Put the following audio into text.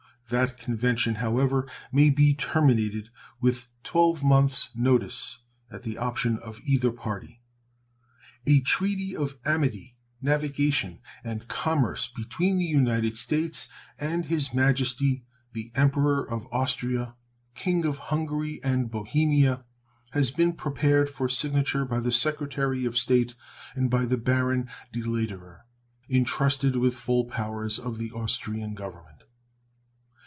That convention, however, may be terminated with 12 months' notice, at the option of either party. A treaty of amity, navigation, and commerce between the United States and His Majesty the Emperor of Austria, King of Hungary and Bohemia, has been prepared for signature by the Secretary of State and by the Baron de Lederer, intrusted with full powers of the Austrian Government.